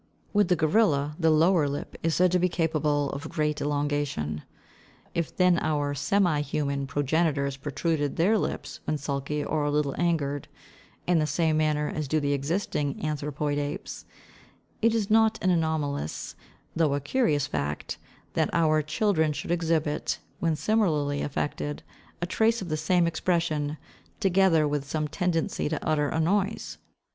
With the gorilla, the lower lip is said to be capable of great elongation. If then our semi human progenitors protruded their lips when sulky or a little angered, in the same manner as do the existing anthropoid apes, it is not an anomalous, though a curious fact, that our children should exhibit, when similarly affected, a trace of the same expression, together with some tendency to utter a noise.